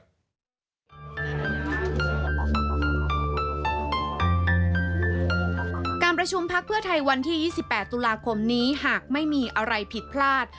การประชุมพักเพื่อไทยวันที่๒๘ตุลาคมนี้หากไม่มีอะไรผิดพลาด